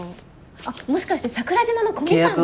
あっもしかして桜島の小みかん。